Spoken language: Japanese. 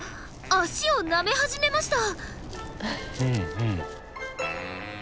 脚をなめ始めました。